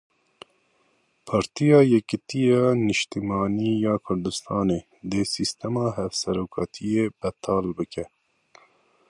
Partiya Yekitiya Niştimanî ya Kurdistanê dê sîstema hevserokatiyê betal bike.